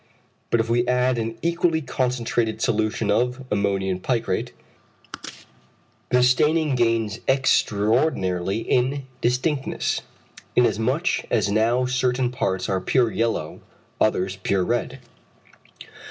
But if we add an equally concentrated solution of ammonium picrate, the staining gains extraordinarily in distinctness, in as much as now certain parts are pure yellow, others pure red.